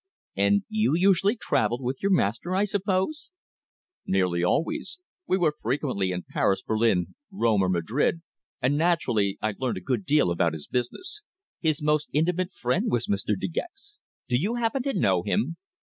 "And you usually travelled with your master, I suppose?" "Nearly always. We were frequently in Paris, Berlin, Rome, or Madrid, and naturally I learnt a good deal about his business. His most intimate friend was Mr. De Gex. Do you happen to know him?"